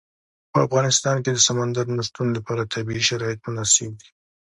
په افغانستان کې د سمندر نه شتون لپاره طبیعي شرایط مناسب دي.